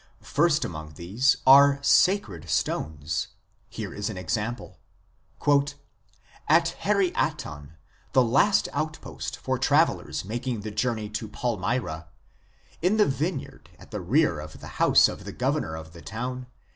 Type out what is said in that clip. First among these are sacred stones ; here is an example :" At Haryatan, the last outpost for travellers making the journey to Palmyra ... in the vineyard, at the rear of the house of the governour of the town